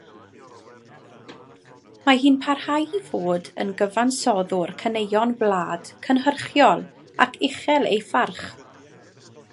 Mae hi'n parhau i fod yn gyfansoddwr caneuon gwlad cynhyrchiol ac uchel ei pharch.